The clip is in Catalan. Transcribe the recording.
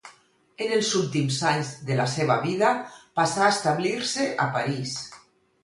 En els últims anys de la seva vida passà a establir-se a París.